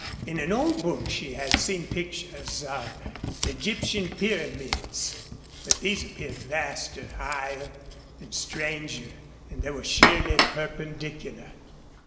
In an old book she had seen pictures of the Egyptian pyramids, but these appeared vaster, higher, and stranger, and they were sheerly perpendicular.